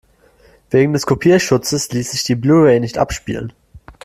Wegen des Kopierschutzes ließ sich die Blu-ray nicht abspielen.